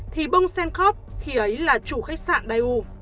thì bongsen có khi ấy là chủ khách sạn dai u